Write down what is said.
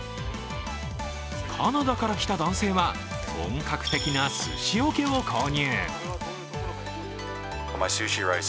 カナダから来た男性は本格的なすしおけを購入。